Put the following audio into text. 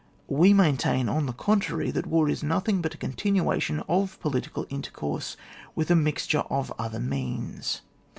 We maintain, on the contrary: that war is nothing but a continuation of political intercourse, with a mixture of other means.